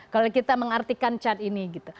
kalau kita mengartikan chat ini gitu